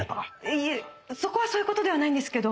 いえそこはそういう事ではなんですけど。